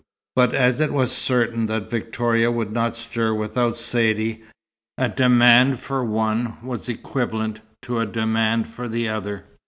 But as it was certain that Victoria would not stir without Saidee, a demand for one was equivalent to a demand for the other.